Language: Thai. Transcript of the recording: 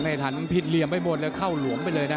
มันผิดเหลี่ยมไปบนแล้วเข้าหลวงไปเลยนะ